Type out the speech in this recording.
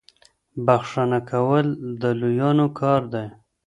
بخښنه کول د لويانو کار دی.